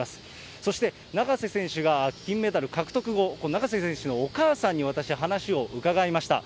そして、永瀬選手が金メダル獲得後、永瀬選手のお母さんに私、話を伺いました。